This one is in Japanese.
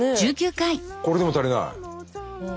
これでも足りない？